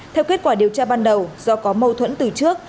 theo kết quả điều tra ban đầu do có mâu thuẫn từ trước